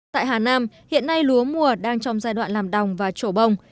tại hà nam hiện nay lúa mùa đang trong giai đoạn làm đồng và trổ bông